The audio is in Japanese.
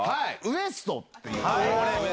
ウエストっていう。